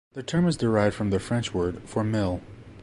The term is derived from the French word for mill.